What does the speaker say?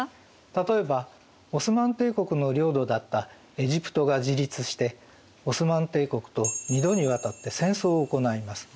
例えばオスマン帝国の領土だったエジプトが自立してオスマン帝国と二度にわたって戦争を行います。